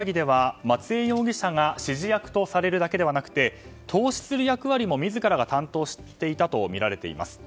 今回の給付金詐欺では松江容疑者が指示役とされるだけではなく投資する役割も自らが担当していたとみられています。